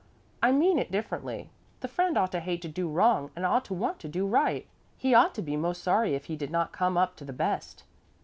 I mean it differently. The friend ought to hate to do wrong and ought to want to do right. He ought to be most sorry if he did not come up to the best."